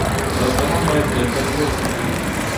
بزګران باید کیفیت لوړ کړي.